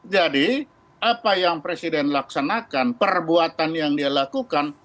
jadi apa yang presiden laksanakan perbuatan yang dia lakukan